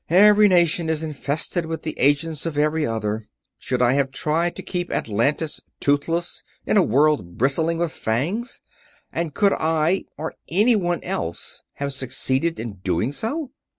Every nation is infested with the agents of every other. Should I have tried to keep Atlantis toothless in a world bristling with fangs? And could I or anyone else have succeeded in doing so?"